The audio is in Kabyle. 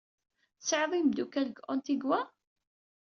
Tesɛid imeddukal deg Antigua?